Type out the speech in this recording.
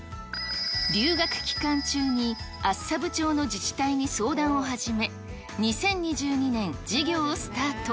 留学期間中に厚沢部町の自治体に相談をはじめ、２０２２年、事業をスタート。